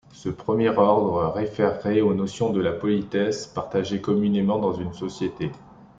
Ce premier ordre réfèrerait aux notions de la politesse partagées communément dans une société.